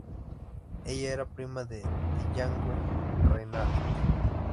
Ella era prima de Django Reinhardt.